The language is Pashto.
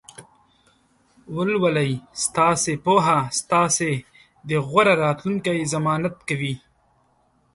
ولولئ! ستاسې پوهه ستاسې د غوره راتلونکي ضمانت کوي.